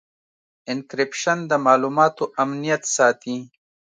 انکریپشن د معلوماتو امنیت ساتي.